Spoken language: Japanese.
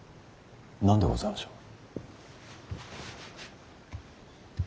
何でございましょう。